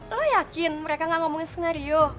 lo yakin mereka gak ngomongin skenario